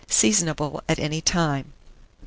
Seasonable at any time. III.